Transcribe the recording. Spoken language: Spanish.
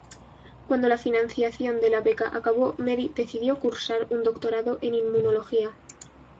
Cuando la financiación de la beca acabó, Mary decidió cursar un doctorado en Inmunología.